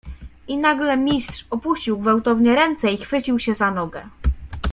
"I nagle Mistrz opuścił gwałtownie ręce i chwycił się za nogę."